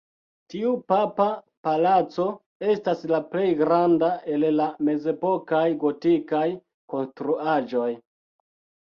Tiu papa palaco estas la plej granda el la mezepokaj gotikaj konstruaĵoj.